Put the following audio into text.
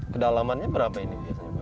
kedalamannya berapa ini